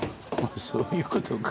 そういうことか。